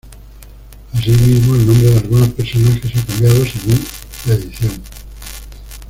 Asimismo, el nombre de algunos personajes ha cambiado según la edición.